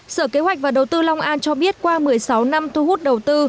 sở kế hoạch và đầu tư long an cho biết qua một mươi sáu năm thu hút đầu tư